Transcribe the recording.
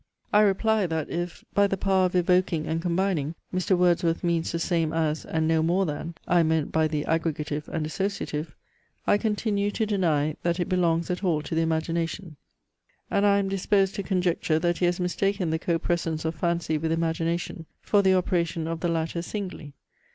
I reply, that if, by the power of evoking and combining, Mr. Wordsworth means the same as, and no more than, I meant by the aggregative and associative, I continue to deny, that it belongs at all to the Imagination; and I am disposed to conjecture, that he has mistaken the copresence of Fancy with Imagination for the operation of the latter singly.